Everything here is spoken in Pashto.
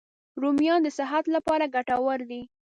رومیان د صحت لپاره ګټور دي